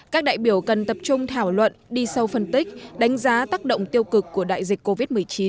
các đại biểu cần tập trung thảo luận đi sâu phân tích đánh giá tác động tiêu cực của đại dịch covid một mươi chín